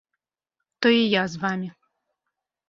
То і я з вамі.